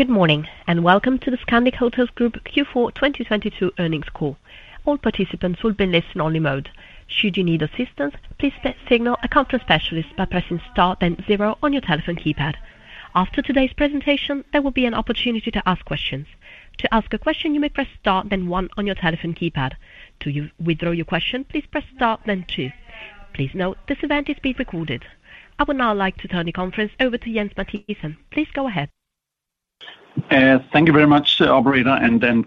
Good morning and welcome to the Scandic Hotels Group Q4 2022 Earnings Call. All participants will be in listen-only mode. Should you need assistance, please signal a Conference Specialist by pressing star then zero on your telephone keypad. After today's presentation, there will be an opportunity to ask questions. To ask a question, you may press star then one on your telephone keypad. To withdraw your question, please press star then two. Please note this event is being recorded. I would now like to turn the conference over to Jens Mathiesen. Please go ahead. Thank you very much, Operator.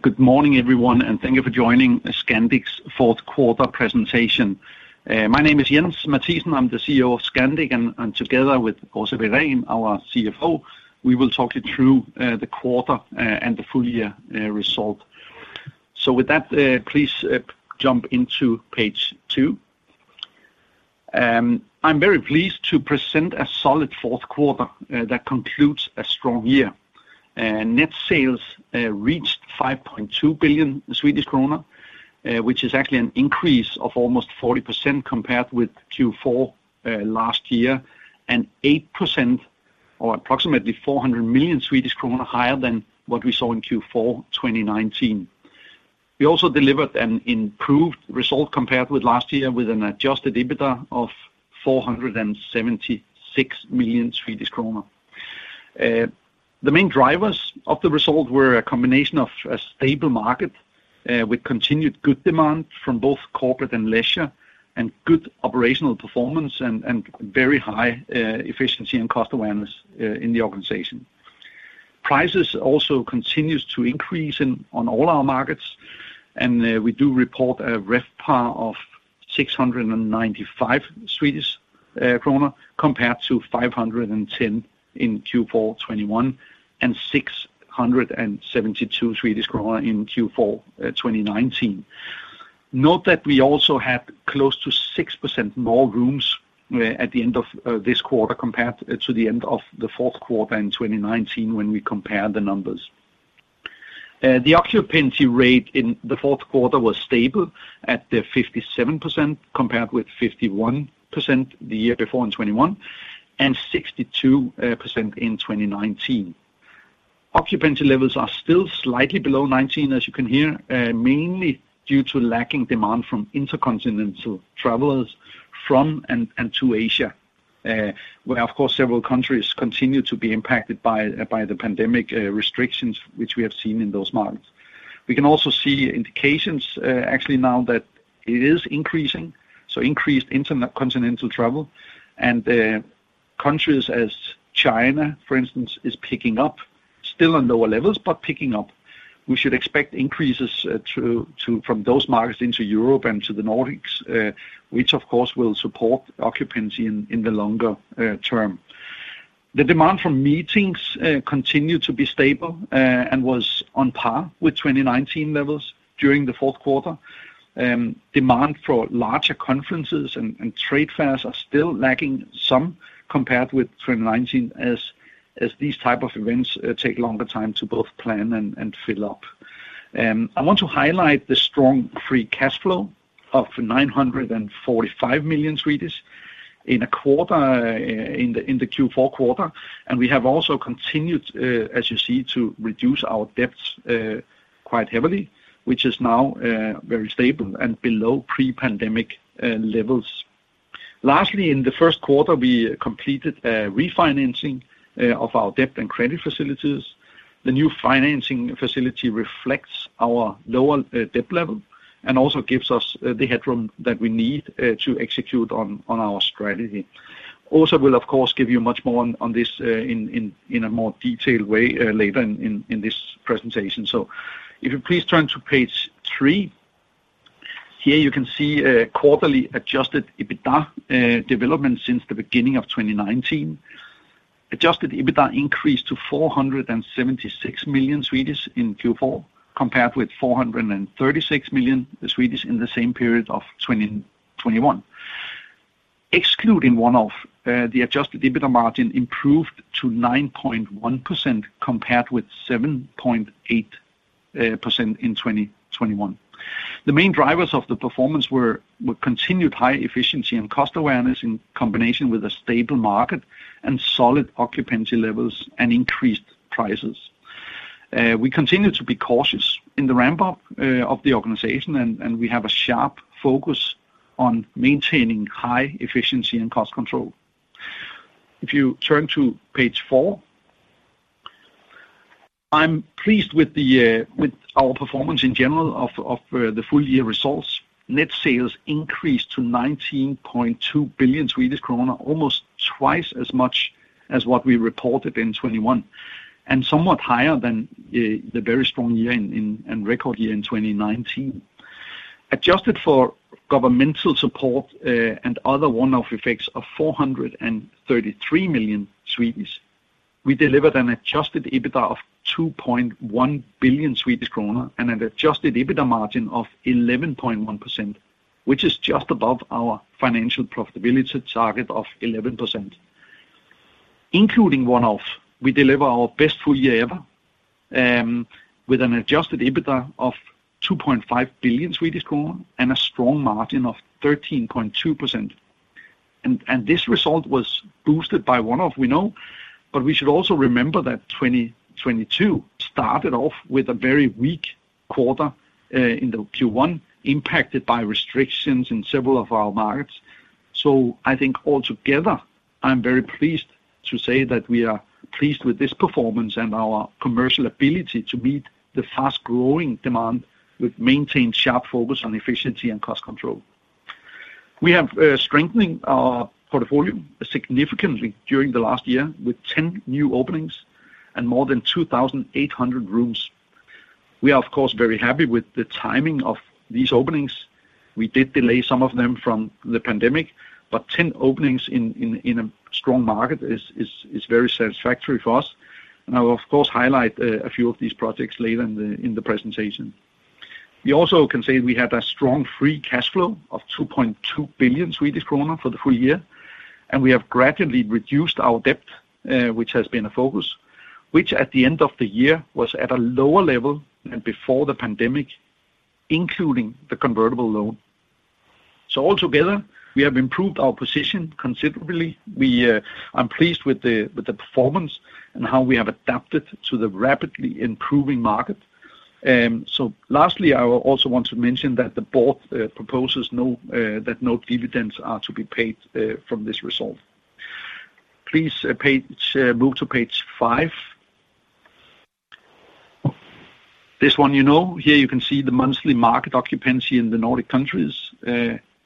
Good morning, everyone, and thank you for joining Scandic's Fourth Quarter Presentation. My name is Jens Mathiesen. I'm the CEO of Scandic, and together with Åsa Wirén, our CFO, we will talk you through the quarter and the Full-Year Result. With that, please jump into Page 2. I'm very pleased to present a solid fourth quarter that concludes a strong year. Net Sales reached 5.2 billion Swedish kronor, which is actually an increase of almost 40% compared with Q4 last year, and 8% or approximately 400 million Swedish kronor higher than what we saw in Q4 2019. We also delivered an improved result compared with last year with an Adjusted EBITDA of 476 million Swedish kronor. The main drivers of the result were a combination of a stable market, with continued good demand from both Corporate and Leisure and good operational performance and very high efficiency and cost awareness in the organization. Prices also continue to increase on all our markets, we do report a RevPAR of SEK 695 compared to 510 in Q4 2021 and 672 Swedish kronor in Q4 2019. Note that we also had close to 6% more rooms at the end of this quarter compared to the end of the fourth quarter in 2019 when we compare the numbers. The occupancy rate in the fourth quarter was stable at 57%, compared with 51% the year before in 2021 and 62% in 2019. Occupancy levels are still slightly below 2019, as you can hear, mainly due to lacking demand from Intercontinental Travelers from and to Asia, where of course, several countries continue to be impacted by the Pandemic Restrictions which we have seen in those markets. We can also see indications, actually now that it is increasing, so increased Intercontinental Travel and countries as China, for instance, is picking up. Still on lower levels, but picking up. We should expect increases from those markets into Europe and to the Nordics, which of course will support occupancy in the longer term. The demand for meetings continued to be stable and was on par with 2019 levels during the fourth quarter. Demand for larger Conferences and Trade Fairs are still lacking some compared with 2019 as these type of events take longer time to both plan and fill up. I want to highlight the strong Free Cash Flow of 945 million in a quarter in the Q4 quarter. We have also continued, as you see, to reduce our debts quite heavily, which is now very stable and below pre-pandemic levels. Lastly, in the first quarter, we completed a Refinancing of our Debt and Credit Facilities. The new Financing Facility reflects our lower debt level and also gives us the headroom that we need to execute on our strategy. Åsa will of course, give you much more on this in a more detailed way later in this presentation. If you please turn to Page 3. Here you can see a quarterly Adjusted EBITDA development since the beginning of 2019. Adjusted EBITDA increased to 476 million in Q4 compared with 436 million in the same period of 2021. Excluding one-off, the Adjusted EBITDA Margin improved to 9.1% compared with 7.8% in 2021. The main drivers of the performance were continued high efficiency and cost awareness in combination with a stable market and solid occupancy levels and increased prices. We continue to be cautious in the ramp up of the organization and we have a sharp focus on maintaining high efficiency and cost control. If you turn to Page 4. I'm pleased with the with our performance in general of the full year results. Net sales increased to 19.2 billion Swedish kronor, almost twice as much as what we reported in 2021, somewhat higher than the very strong year and record year in 2019. Adjusted for Governmental Support, and other one-off effects of 433 million, we delivered an Adjusted EBITDA of 2.1 billion Swedish kronor and an Adjusted EBITDA margin of 11.1%, which is just above our Financial Profitability Target of 11%. Including one-off, we deliver our best full year ever, with an Adjusted EBITDA of 2.5 billion and a strong margin of 13.2%. This result was boosted by one-off, we know. We should also remember that 2022 started off with a very weak quarter, in the Q1, impacted by restrictions in several of our markets. I think altogether, I'm very pleased to say that we are pleased with this performance and our commercial ability to meet the fast-growing demand with maintained sharp focus on efficiency and cost control. We have strengthened our Portfolio significantly during the last year with 10 new openings and more than 2,800 rooms. We are, of course, very happy with the timing of these openings. We did delay some of them during the Pandemic, but 10 openings in a strong market is very satisfactory for us. I will, of course, highlight a few of these projects later in the presentation. We also can say we had a strong Free Cash Flow of 2.2 billion Swedish kronor for the full year, and we have gradually reduced our Debt, which has been a focus, which at the end of the year was at a lower level than before the Pandemic, including the Convertible Loan. Altogether, we have improved our position considerably. We, I'm pleased with the performance and how we have adapted to the rapidly improving market. Lastly, I also want to mention that the Board proposes that no dividends are to be paid from this result. Please, move to Page 5. This one you know. Here you can see the monthly market occupancy in the Nordic countries.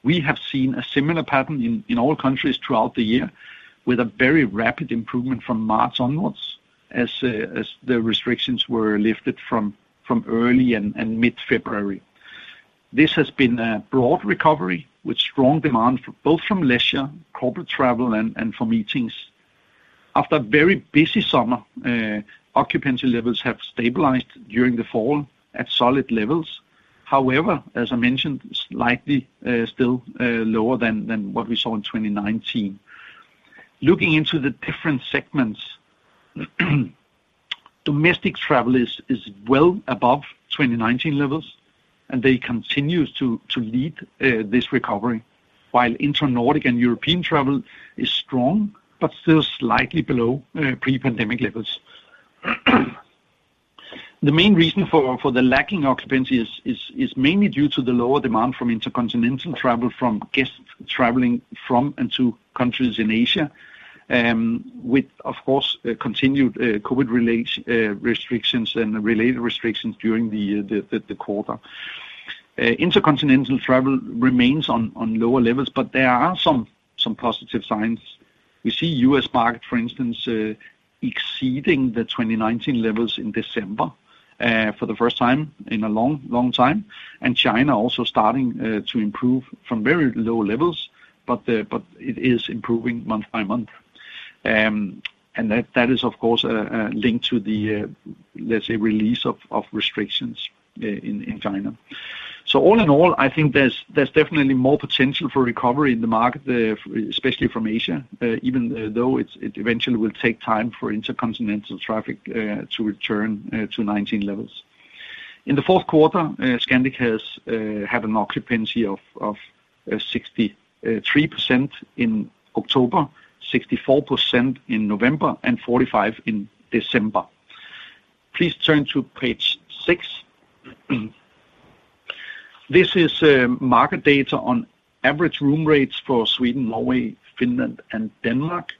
We have seen a similar pattern in all countries throughout the year with a very rapid improvement from March onwards as the restrictions were lifted from early and mid-February. This has been a broad recovery with strong demand both from Leisure, Corporate Travel and for Meetings. After a very busy summer, occupancy levels have stabilized during the fall at solid levels. However, as I mentioned, slightly still lower than what we saw in 2019. Looking into the different segments, Domestic Travel is well above 2019 levels, and they continue to lead this recovery, while Inter-Nordic and European Travel is strong but still slightly below pre-pandemic levels. The main reason for the lacking occupancy is mainly due to the lower demand from Intercontinental Travel from guests traveling from and to countries in Asia, with, of course, continued COVID related Restrictions during the quarter. Intercontinental Travel remains on lower levels, but there are some positive signs. We see U.S. market, for instance, exceeding the 2019 levels in December for the first time in a long time. China also starting to improve from very low levels, but it is improving month by month. That is of course linked to the, let's say, release of restrictions in China. All in all, I think there's definitely more potential for recovery in the market, especially from Asia, even though it's eventually will take time for Intercontinental Traffic to return to 2019 levels. In the fourth quarter, Scandic has had an occupancy of 63% in October, 64% in November and 45% in December. Please turn to Page 6. This is Market data on average room rates for Sweden, Norway, Finland and Denmark.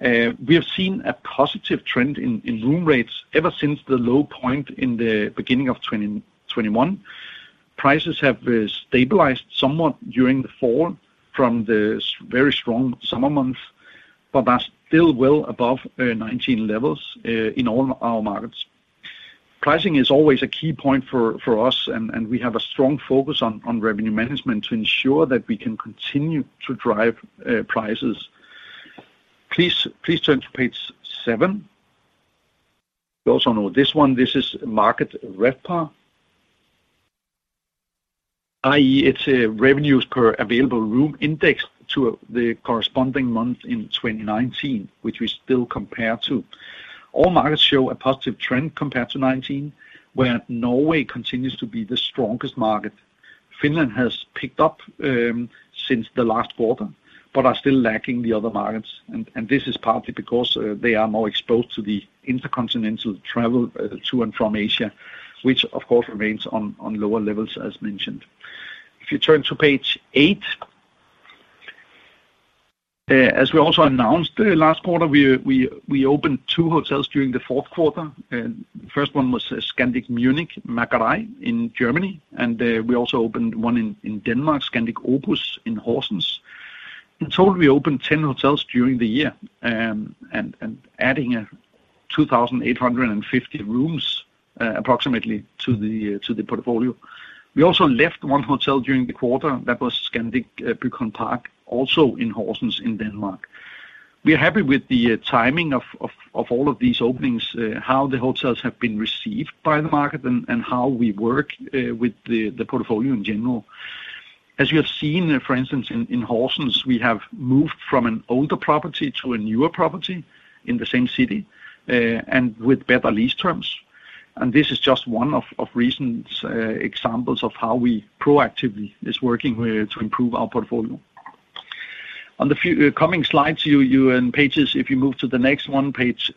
We have seen a positive trend in room rates ever since the low point in the beginning of 2021. Prices have stabilized somewhat during the fall from the very strong summer months, but are still well above 2019 levels in all our markets. Pricing is always a key point for us, and we have a strong focus on Revenue Management to ensure that we can continue to drive prices. Please turn to Page 7. You also know this one. This is Market RevPAR. i.e., it's a Revenues Per Available Room index to the corresponding month in 2019, which we still compare to. All markets show a positive trend compared to 2019, where Norway continues to be the strongest market. Finland has picked up since the last quarter, are still lacking the other markets, and this is partly because they are more exposed to the Intercontinental Travel to and from Asia, which of course remains on lower levels as mentioned. If you turn to Page 8. As we also announced last quarter, we opened two hotels during the fourth quarter. First one was Scandic München Macherei in Germany, and we also opened one in Denmark, Scandic Opus in Horsens. In total, we opened 10 hotels during the year, and adding 2,850 rooms approximately to the Portfolio. We also left one hotel during the quarter that was Scandic Bygholm Park, also in Horsens in Denmark. We are happy with the timing of all of these openings, how the hotels have been received by the market and how we work with the Portfolio in general. As you have seen, for instance, in Horsens, we have moved from an older property to a newer property in the same city, and with better Lease Terms. This is just one of recent examples of how we proactively is working with to improve our Portfolio. On the few coming slides and pages, if you move to the next one, Page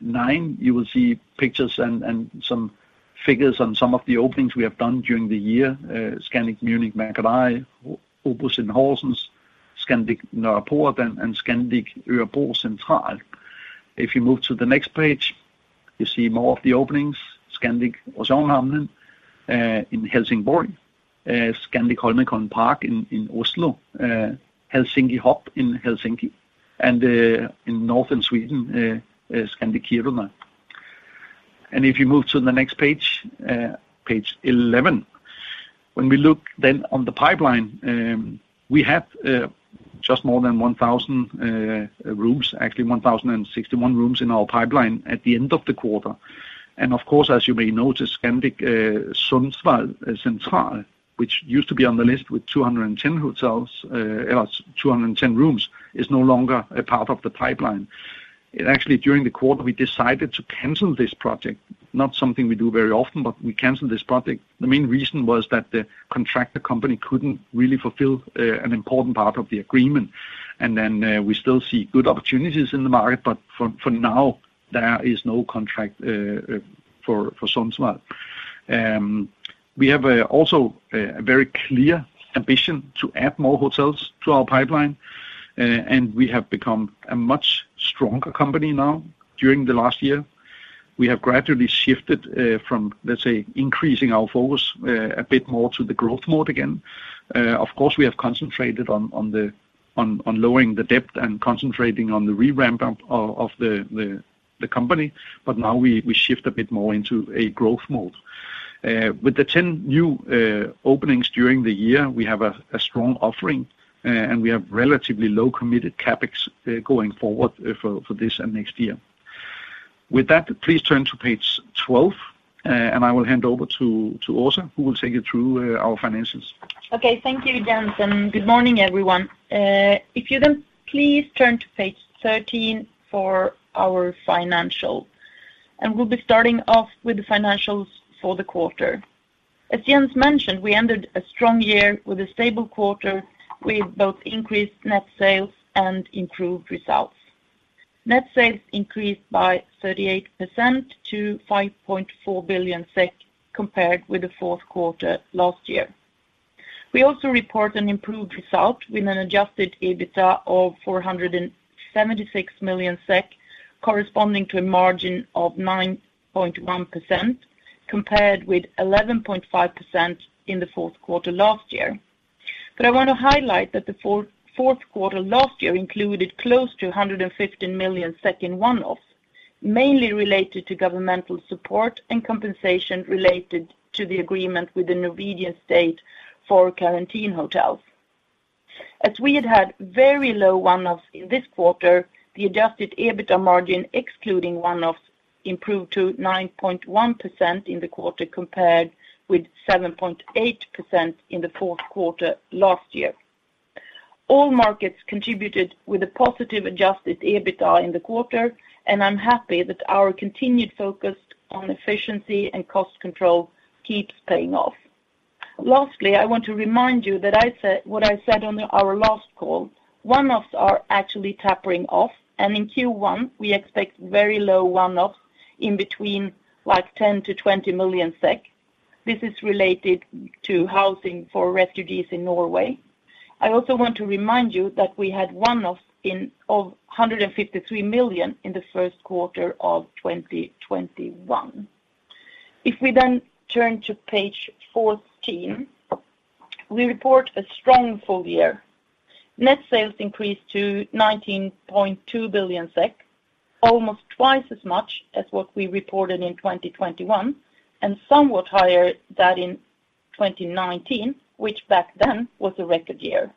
9, you will see pictures and some figures on some of the openings we have done during the year. Scandic München Macherei, Opus in Horsens, Scandic Nørreport, and Scandic Örebro Central. If you move to the next page, you see more of the openings. Scandic Oceanhamnen in Helsingborg, Scandic Holmenkollen Park in Oslo, Helsinki Hub in Helsinki, and in Northern Sweden, Scandic Kiruna. If you move to the next Page 11. When we look then on the Pipeline, we have just more than 1,000 rooms, actually 1,061 rooms in our pipeline at the end of the quarter. Of course, as you may notice, Scandic Sundsvall Central, which used to be on the list with 210 hotels, as 210 rooms, is no longer a part of the Pipeline. Actually, during the quarter, we decided to cancel this project. Not something we do very often, but we canceled this project. The main reason was that the Contractor company couldn't really fulfill an important part of the Agreement. We still see good opportunities in the market, but for now, there is no contract for Sundsvall. We have a very clear ambition to add more hotels to our Pipeline. We have become a much stronger company now during the last year. We have gradually shifted from, let's say, increasing our focus a bit more to the growth Mode again. Of course, we have concentrated on lowering the debt and concentrating on the re-ramp up of the company. Now we shift a bit more into a growth mode. With the 10 new openings during the year, we have a strong offering, and we have relatively low committed CapEx going forward for this and next year. With that, please turn to Page 12, and I will hand over to Åsa who will take you through our finances. Okay. Thank you, Jens. Good morning, everyone. If you please turn to Page 13 for our financial. We'll be starting off with the financials for the quarter. As Jens mentioned, we ended a strong year with a stable quarter with both increased net sales and improved results. Net sales increased by 38% to 5.4 billion SEK compared with the fourth quarter last year. We also report an improved result with an Adjusted EBITA of 476 million SEK, corresponding to a margin of 9.1% compared with 11.5% in the fourth quarter last year. I wanna highlight that the fourth quarter last year included close to 115 million in one-offs, mainly related to Governmental Support and compensation related to the agreement with the Norwegian State for Quarantine Hotels. We had very low one-offs in this quarter, the Adjusted EBITA Margin excluding one-offs improved to 9.1% in the quarter compared with 7.8% in the fourth quarter last year. All markets contributed with a positive Adjusted EBITA in the quarter. I'm happy that our continued focus on efficiency and cost control keeps paying off. Lastly, I want to remind you that what I said on our last call, one-offs are actually tapering off. In Q1, we expect very low one-offs in between, like, 10 million-20 million SEK. This is related to housing for refugees in Norway. I also want to remind you that we had one-offs of 153 million in the first quarter of 2021. We turn to Page 14, we report a strong full year. Net sales increased to 19.2 billion SEK, almost twice as much as what we reported in 2021, and somewhat higher that in 2019, which back then was a record year.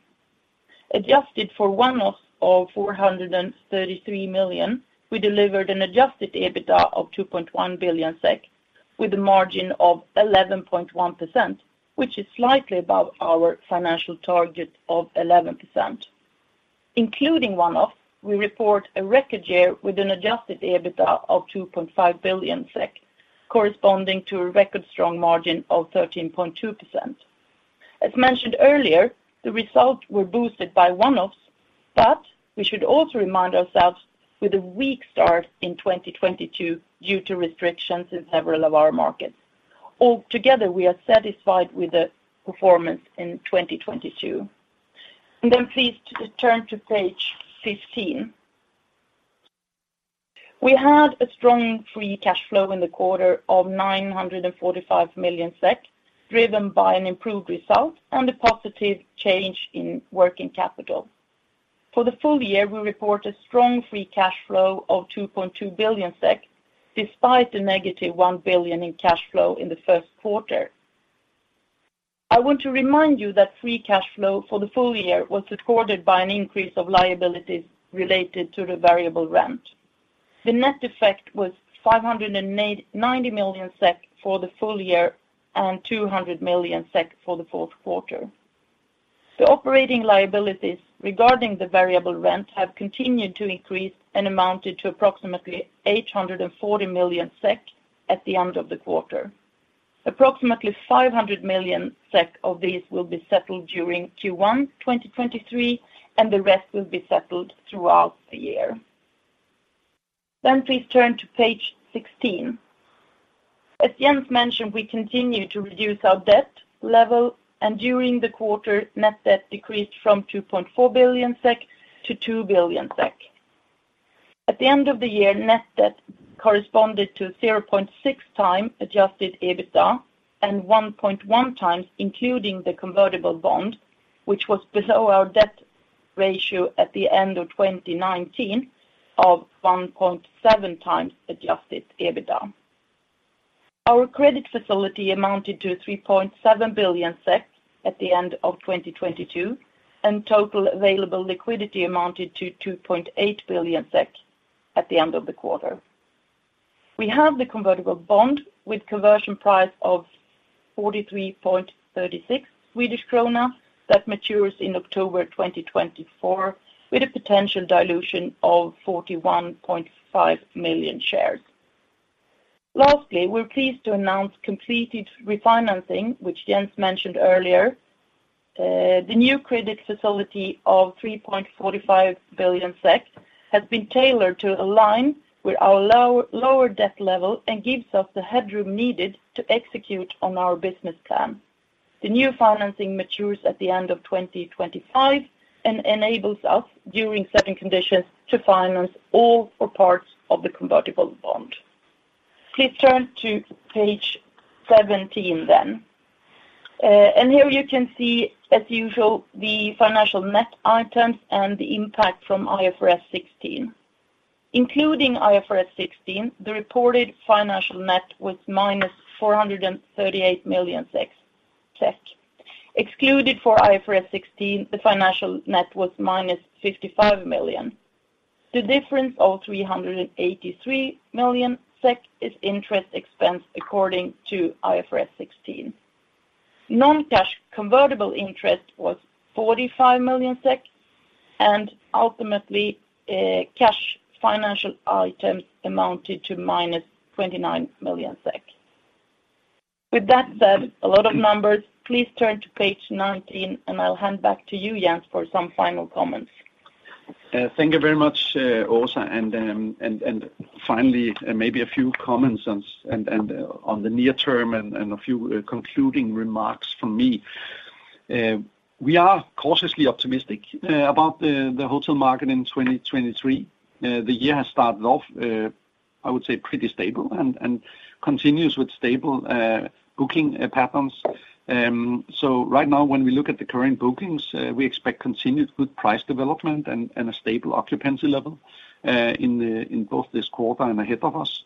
Adjusted for one-offs of 433 million, we delivered an adjusted EBITA of 2.1 billion SEK with a margin of 11.1%, which is slightly above our financial target of 11%. Including one-off, we report a record year with an Adjusted EBITA of 2.5 billion SEK, corresponding to a record strong margin of 13.2%. As mentioned earlier, the results were boosted by one-offs, but we should also remind ourselves with a weak start in 2022 due to Restrictions in several of our markets. Altogether, we are satisfied with the performance in 2022. Then please turn to Page 15. We had a strong free cash flow in the quarter of 945 million SEK, driven by an improved result and a positive change in working capital. For the full year, we report a strong free cash flow of 2.2 billion SEK, despite the negative 1 billion in cash flow in the first quarter. I want to remind you that free cash flow for the full year was recorded by an increase of liabilities related to the variable rent. The net effect was 590 million SEK for the full year and 200 million SEK for the fourth quarter. The operating liabilities regarding the variable rent have continued to increase and amounted to approximately 840 million SEK at the end of the quarter. Approximately 500 million SEK of these will be settled during Q1, 2023, and the rest will be settled throughout the year. Please turn to Page 16. As Jens mentioned, we continue to reduce our debt level and during the quarter, net debt decreased from 2.4 billion SEK to 2 billion SEK. At the end of the year, net debt corresponded to 0.6 times adjusted EBITDA and 1.1 times including the convertible bond, which was below our debt ratio at the end of 2019 of 1.7 times adjusted EBITDA. Our credit facility amounted to 3.7 billion SEK at the end of 2022, and total available liquidity amounted to 2.8 billion SEK at the end of the quarter. We have the Convertible bond with conversion price of 43.36 Swedish krona that matures in October 2024, with a potential dilution of 41.5 million shares. We're pleased to announce completed refinancing, which Jens mentioned earlier. The new Credit facility of 3.45 billion SEK has been tailored to align with our lower debt level and gives us the headroom needed to execute on our Business Plan. The new financing matures at the end of 2025 and enables us, during certain conditions, to finance all or parts of the Convertible bond. Please turn to Page 17. Here you can see, as usual, the Financial Net Items and the impact from IFRS 16. Including IFRS 16, the reported Financial Net was minus 438 million SEK. Excluded for IFRS 16, the financial net was minus 55 million. The difference of 383 million SEK is interest expense according to IFRS 16. Non-cash convertible interest was 45 million SEK, and ultimately, cash financial items amounted to minus 29 million SEK. With that said, a lot of numbers. Please turn to Page 19, and I'll hand back to you, Jens, for some final comments. Thank you very much, Åsa. Finally, maybe a few comments on the near term and a few concluding remarks from me. We are cautiously optimistic about the hotel market in 2023. The year has started off, I would say pretty stable and continues with stable booking patterns. Right now, when we look at the current bookings, we expect continued good price development and a stable occupancy level in both this quarter and ahead of us.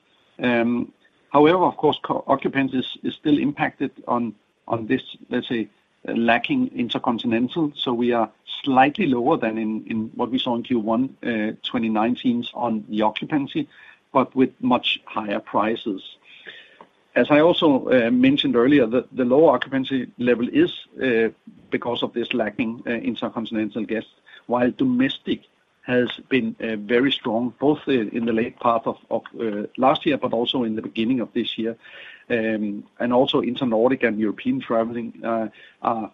However, of course, co-occupancy is still impacted on this, let's say, lacking Intercontinental. We are slightly lower than in what we saw in Q1, 2019 on the occupancy, but with much higher prices. As I also mentioned earlier, the lower occupancy level is because of this lacking Intercontinental guests. While domestic has been very strong, both in the late part of last year, but also in the beginning of this year. Also Inter-Nordic and European traveling are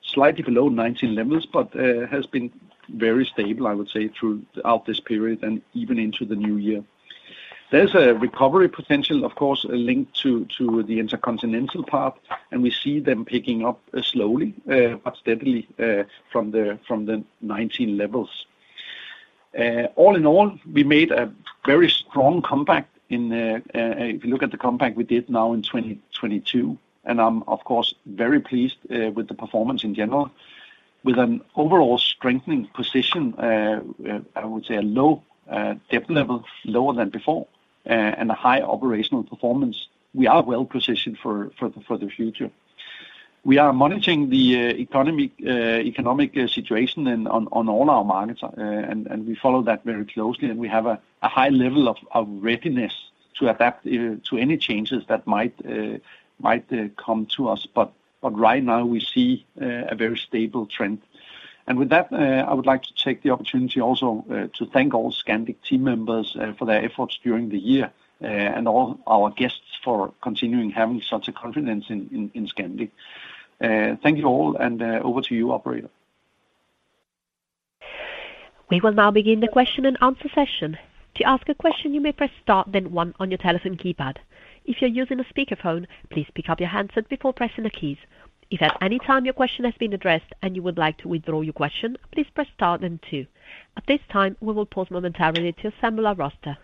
slightly below 19 levels, but has been very stable, I would say, throughout this period and even into the New Year. There's a recovery potential, of course, linked to the Intercontinental part, and we see them picking up slowly, but steadily, from the 19 levels. All in all, we made a very strong comeback in, if you look at the comeback we did now in 2022, and I'm of course very pleased with the performance in general. With an overall strengthening position, I would say a low debt level, lower than before, and a high operational performance, we are well positioned for the future. We are managing the economy economic situation on all our markets. We follow that very closely, and we have a high level of readiness to adapt to any changes that might come to us. Right now we see a very stable trend. With that, I would like to take the opportunity also to thank all Scandic team members for their efforts during the year, and all our guests for continuing having such a confidence in Scandic. Thank you all. Over to you, operator. We will now begin the question-and-answer session. To ask a question, you may press star then one on your telephone keypad. If you're using a speakerphone, please pick up your handset before pressing the keys. If at any time your question has been addressed and you would like to withdraw your question, please press star then two. At this time, we will pause momentarily to assemble our roster.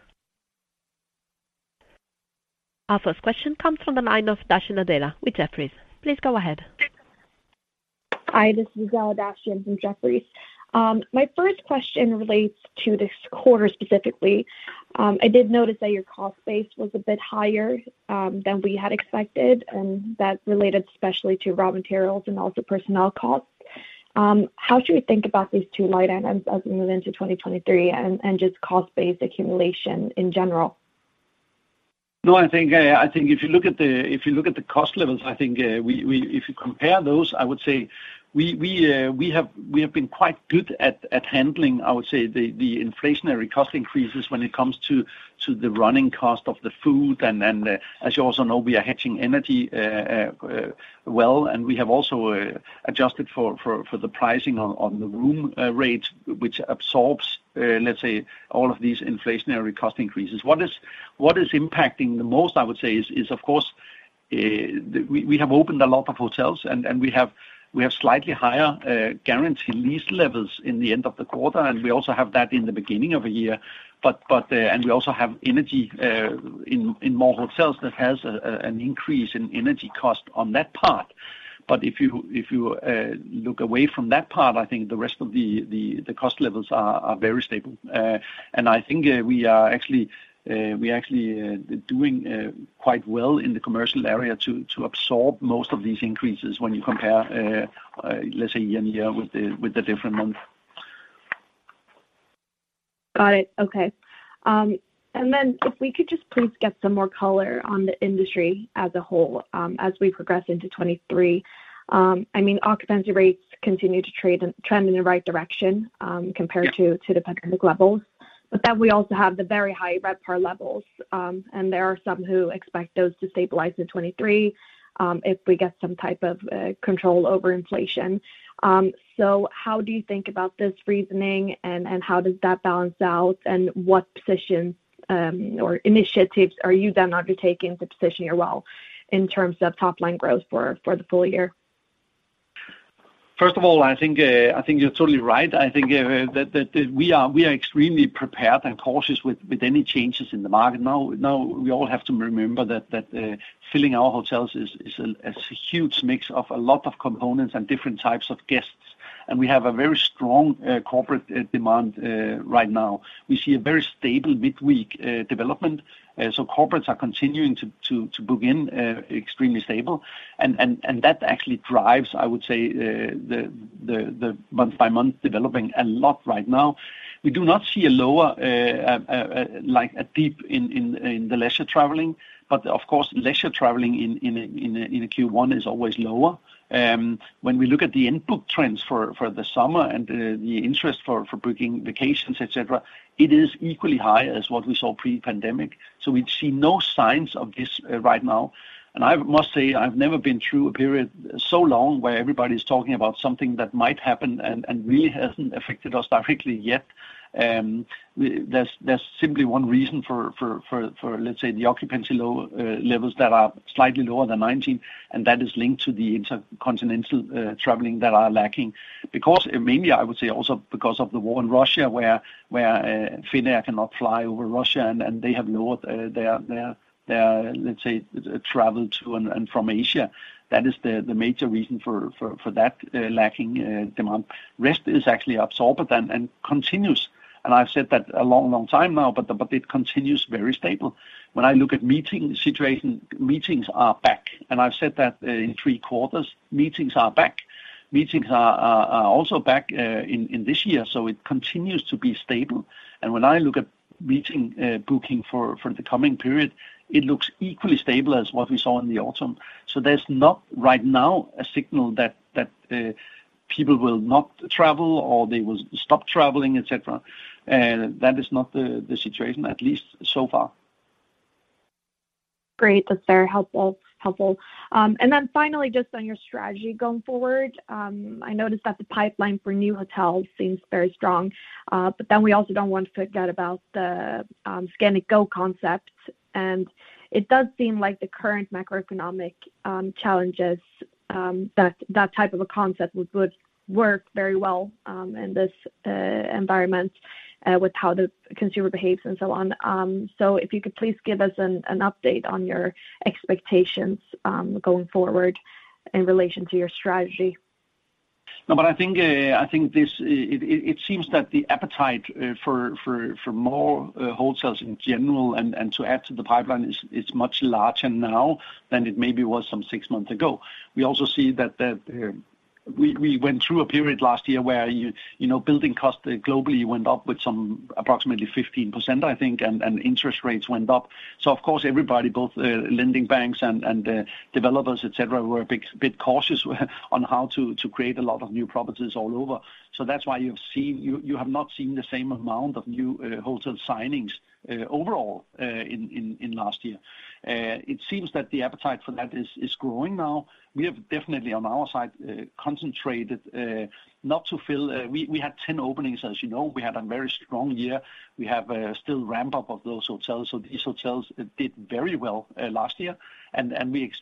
Our first question comes from the line of Adela Dashian with Jefferies. Please go ahead. Hi, this is Adela Dashian from Jefferies. My first question relates to this quarter specifically. I did notice that your cost base was a bit higher than we had expected, and that related especially to raw materials and also personnel costs. How should we think about these two line items as we move into 2023 and just cost base accumulation in general? I think if you look at the cost levels, I think, if you compare those, I would say we have been quite good at handling, I would say the inflationary cost increases when it comes to the running cost of the food. As you also know, we are hedging energy, well, and we have also adjusted for the pricing on the room rates, which absorbs, let's say all of these inflationary cost increases. What is impacting the most, I would say is of course, we have opened a lot of hotels and we have slightly higher guaranteed lease levels in the end of the quarter, and we also have that in the beginning of a year. And we also have energy in more hotels that has an increase in energy cost on that part. If you look away from that part, I think the rest of the cost levels are very stable. I think we are actually doing quite well in the commercial area to absorb most of these increases when you compare let's say year-over-year with the different months. Got it. Okay. If we could just please get some more color on the industry as a whole, as we progress into 23. I mean, occupancy rates continue to trend in the right direction, compared to the Pandemic levels. We also have the very high RevPAR levels, and there are some who expect those to stabilize in 23, if we get some type of control over inflation. How do you think about this reasoning, and how does that balance out, and what positions or initiatives are you then undertaking to position your well in terms of top-line growth for the full year? First of all, I think you're totally right. I think that we are extremely prepared and cautious with any changes in the market. We all have to remember that filling our hotels is a huge mix of a lot of components and different types of guests. We have a very strong corporate demand right now. We see a very stable midweek development. Corporates are continuing to book in extremely stable. And that actually drives, I would say, the month-by-month developing a lot right now. We do not see a lower like a dip in the leisure traveling, but of course, leisure traveling in a Q1 is always lower. When we look at the input trends for the summer and the interest for booking vacations, et cetera, it is equally high as what we saw pre-pandemic. We see no signs of this right now. I must say, I've never been through a period so long where everybody's talking about something that might happen and really hasn't affected us directly yet. There's simply one reason for, let's say, the occupancy low levels that are slightly lower than 19, and that is linked to the Intercontinental Traveling that are lacking. Mainly, I would say also because of the war in Russia, where Finnair cannot fly over Russia and they have lowered their, let's say, travel to and from Asia. That is the major reason for that lacking demand. Rest is actually absorbed and continues, and I've said that a long time now, it continues very stable. When I look at meeting situation, meetings are back, and I've said that in three quarters, meetings are back. Meetings are also back in this year, it continues to be stable. When I look at meeting booking for the coming period, it looks equally stable as what we saw in the autumn. There's not right now a signal that people will not travel or they will stop traveling, et cetera. That is not the situation, at least so far. Great. That's very helpful. Finally, just on your strategy going forward, I noticed that the pipeline for new hotels seems very strong, we also don't want to forget about the Scan&Go concept, it does seem like the current macroeconomic challenges that that type of a concept would work very well in this environment with how the consumer behaves and so on. If you could please give us an update on your expectations going forward in relation to your strategy. I think this. It seems that the appetite for more hotels in general and to add to the Pipeline is much larger now than it maybe was some six months ago. We also see that we went through a period last year where you know, Building Costs globally went up with some approximately 15%, I think, and interest rates went up. Of course, everybody, both, Lending banks and Developers, et cetera, were a bit cautious on how to create a lot of new properties all over. That's why you have not seen the same amount of new hotel signings overall in last year. It seems that the appetite for that is growing now. We have definitely, on our side, concentrated not to fill. We had 10 openings, as you know. We had a very strong year. We have still ramp up of those hotels. These hotels did very well last year and we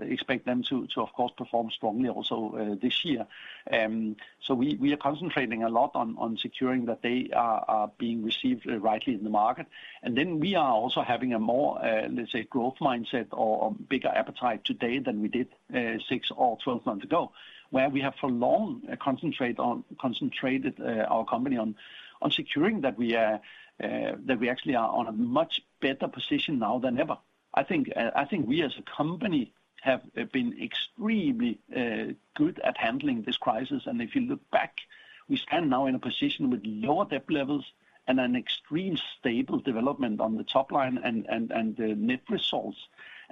expect them to, of course, perform strongly also this year. We are concentrating a lot on securing that they are being received rightly in the market. Then we are also having a more, let's say, growth mindset or bigger appetite today than we did six or 12 months ago, where we have for long concentrated our company on securing that we are that we actually are on a much better position now than ever. I think, I think we as a company have been extremely good at handling this crisis. If you look back, we stand now in a position with lower debt levels. An extreme stable development on the top line and the net results.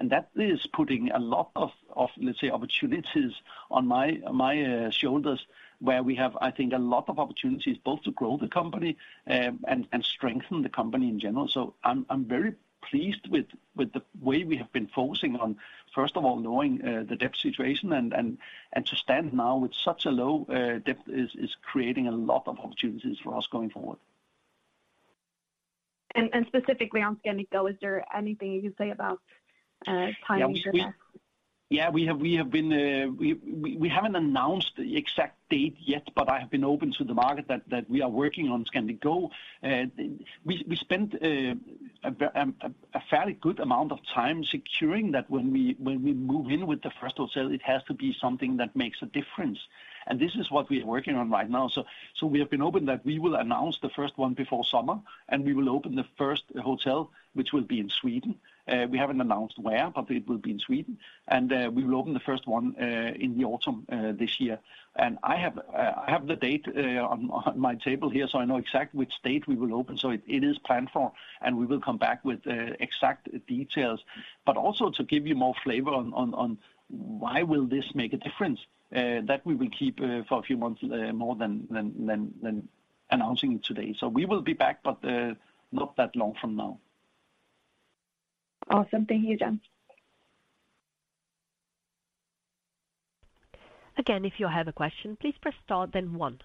That is putting a lot of, let's say, opportunities on my shoulders, where we have, I think, a lot of opportunities both to grow the company, and strengthen the company in general. I'm very pleased with the way we have been focusing on, first of all, knowing the debt situation and to stand now with such a low debt is creating a lot of opportunities for us going forward. Specifically on Scandic Go, is there anything you can say about timing there? We haven't announced the exact date yet. I have been open to the market that we are working on Scandic Go. We spent a fairly good amount of time securing that when we move in with the first hotel, it has to be something that makes a difference. This is what we are working on right now. We have been open that we will announce the first one before summer. We will open the first hotel, which will be in Sweden. We haven't announced where, it will be in Sweden. We will open the first one in the Autumn this year. I have the date on my table here, so I know exactly which date we will open. It is planned for, and we will come back with exact details. Also to give you more flavor on why will this make a difference that we will keep for a few months more than announcing today. We will be back, but not that long from now. Awesome. Thank you, Jens. Again, if you have a question, please press star then one.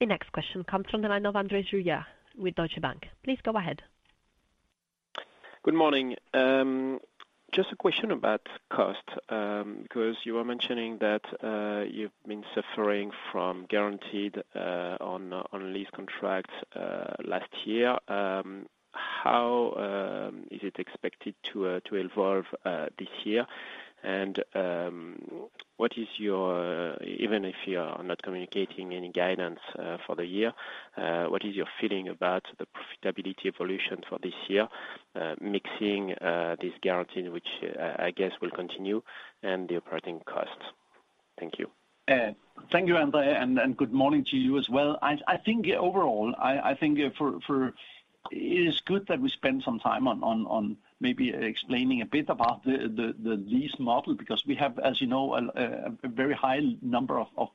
The next question comes from the line of André Juillard with Deutsche Bank. Please go ahead. Good morning. Just a question about cost, because you were mentioning that you've been suffering from guaranteed on lease contracts last year. How is it expected to evolve this year? Even if you're not communicating any guidance for the year, what is your feeling about the profitability evolution for this year, mixing this guarantee, which I guess will continue and the operating costs? Thank you. Thank you, André, and good morning to you as well. I think overall, I think It is good that we spend some time on maybe explaining a bit about the lease model because we have, as you know, a very high number of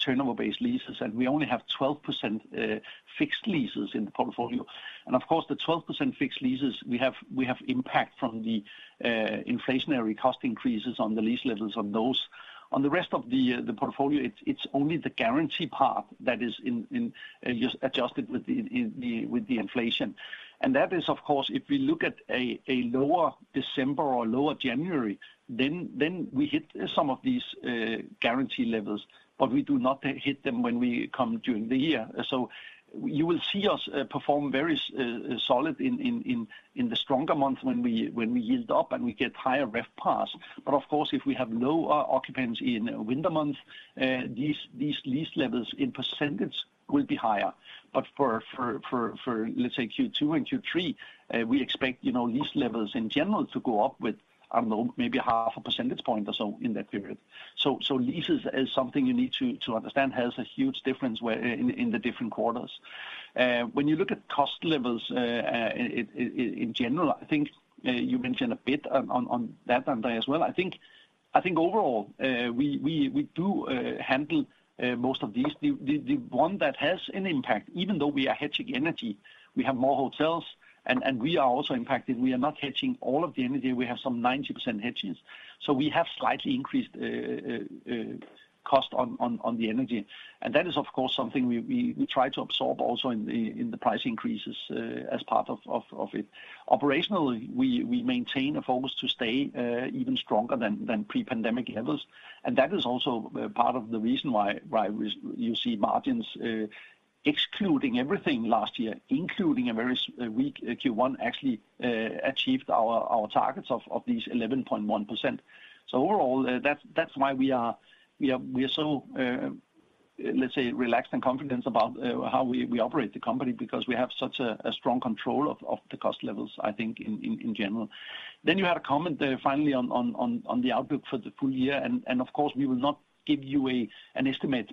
turnover-based leases, and we only have 12% fixed leases in the portfolio. Of course, the 12% fixed leases we have, we have impact from the inflationary cost increases on the lease levels on those. On the rest of the portfolio, it's only the guarantee part that is in adjusted with the inflation. That is, of course, if we look at a lower December or lower January, then we hit some of these guarantee levels, but we do not hit them when we come during the year. You will see us perform very solid in the stronger months when we yield up and we get higher RevPAR. Of course, if we have low occupancy in winter months, these lease levels in percentage will be higher. For, let's say Q2 and Q3, we expect, you know, lease levels in general to go up with, I don't know, maybe half a percentage point or so in that period. Leases is something you need to understand has a huge difference in the different quarters. When you look at cost levels in general, I think you mentioned a bit on that André as well. I think overall, we do handle most of these. The one that has an impact, even though we are hedging energy, we have more hotels and we are also impacted. We are not hedging all of the energy. We have some 90% hedges. We have slightly increased cost on the energy. That is, of course, something we try to absorb also in the price increases as part of it. Operationally, we maintain a focus to stay even stronger than pre-pandemic levels. That is also part of the reason why you see margins, excluding everything last year, including a very weak Q1, actually achieved our targets of these 11.1%. Overall, that's why we are so, let's say, relaxed and confident about how we operate the company because we have such a strong control of the cost levels, I think, in general. You had a comment finally on the outlook for the full year. Of course, we will not give you an estimate.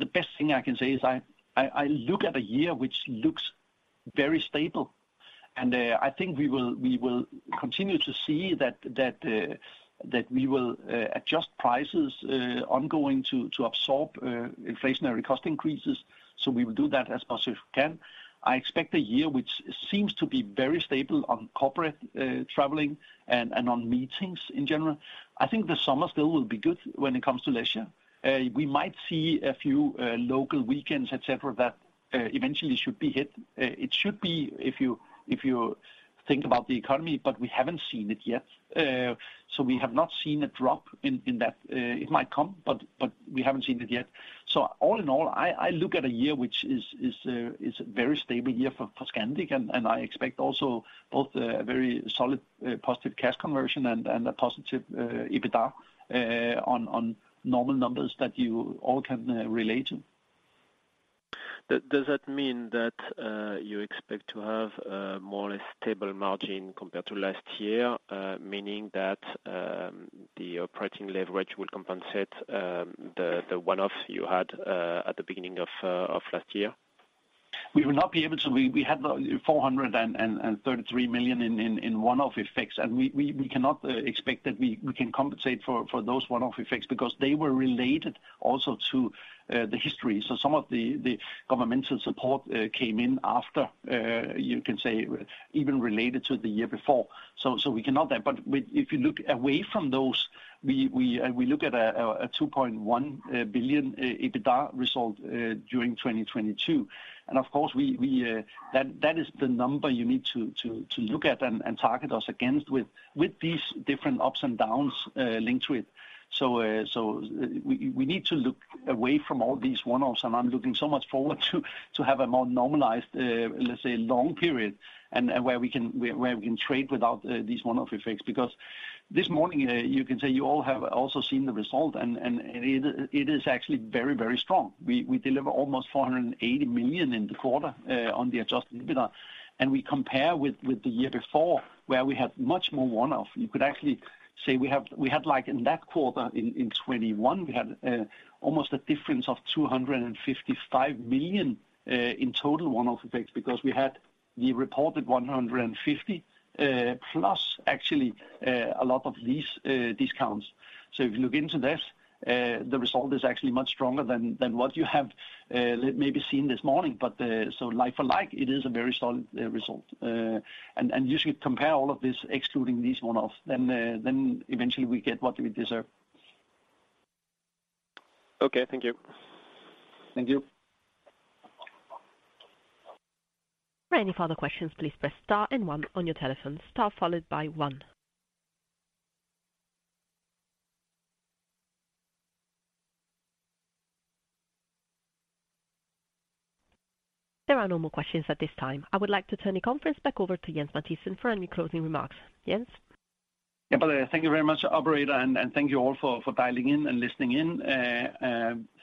The best thing I can say is I look at a year which looks very stable. I think we will continue to see that we will adjust prices ongoing to absorb inflationary cost increases. We will do that as possible if we can. I expect a year which seems to be very stable on corporate traveling and on meetings in general. I think the summer still will be good when it comes to leisure. We might see a few local weekends, et cetera, that eventually should be hit. It should be if you, if you think about the economy, but we haven't seen it yet. We have not seen a drop in that. It might come, but we haven't seen it yet. All in all, I look at a year which is a very stable year for Scandic, and I expect also both a very solid positive cash conversion and a positive EBITDA on normal numbers that you all can relate to. Does that mean that, you expect to have, more or less stable margin compared to last year? Meaning that, the operating leverage will compensate, the one-off you had, at the beginning of last year? We will not be able. We had 433 million in one-off effects, we cannot expect that we can compensate for those one-off effects because they were related also to the history. Some of the Governmental Support came in after you can say even related to the year before, we cannot then. If you look away from those, we look at a 2.1 billion EBITDA result during 2022. Of course we, that is the number you need to look at and target us against with these different ups and downs linked to it. We need to look away from all these one-offs, I'm looking so much forward to have a more normalized, let's say, long period and where we can trade without these one-off effects. This morning, you can say you all have also seen the result and it is actually very, very strong. We deliver almost 480 million in the quarter on the Adjusted EBITDA. We compare with the year before, where we had much more one-off. You could actually say we had, like, in that quarter in 2021, we had almost a difference of 255 million in total one-off effects because we had the reported 150 plus actually a lot of lease discounts. If you look into this, the result is actually much stronger than what you have, maybe seen this morning. Like for like, it is a very solid result. You should compare all of this excluding these one-offs, then eventually we get what we deserve. Okay. Thank you. Thank you. For any further questions, please press star and one on your telephone. Star followed by one. There are no more questions at this time. I would like to turn the conference back over to Jens Mathiesen for any closing remarks. Jens? Yeah. Thank you very much, Operator, and thank you all for dialing in and listening in.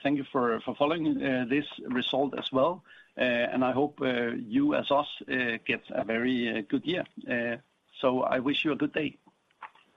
Thank you for following this result as well. I hope you as us gets a very good year. I wish you a good day.